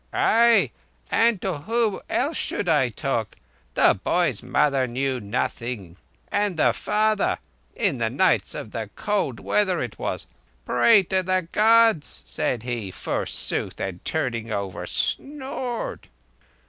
"Arre! and to whom else should I talk? The boy's mother knew nothing, and the father—in the nights of the cold weather it was—'Pray to the Gods,' said he, forsooth, and turning over, snored!"